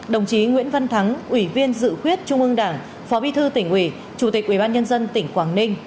đồng chí nguyễn văn thắng ủy viên dự khuyết trung ương đảng phó bí thư tỉnh ủy chủ tịch ubnd tỉnh quảng ninh